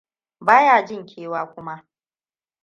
Baya jin kewa kuma.